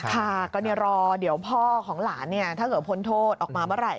ค่ะก็รอเดี๋ยวพ่อของหลานถ้าเกิดพ้นโทษออกมาเมื่อไหร่